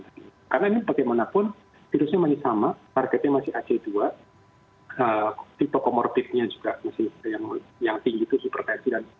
karena ini bagaimanapun virusnya masih sama targetnya masih ac dua tipe komorbidnya juga masih yang tinggi itu hipertensi dan obesitas